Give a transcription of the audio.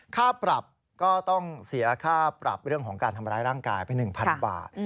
ค่าปรับก็ต้องเสียค่าปรับเรื่องของการทำร้ายร่างกายไป๑๐๐บาท